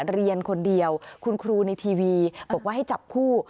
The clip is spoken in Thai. เรียนคนเดียวคุณครูในทีวีบอกว่าให้จับคู่